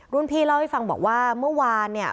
พี่เล่าให้ฟังบอกว่าเมื่อวานเนี่ย